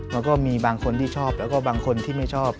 มันก็มีบางคนที่ชอบแล้วก็บางคนที่ไม่ชอบ